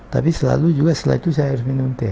tapi selalu juga setelah itu saya harus minum teh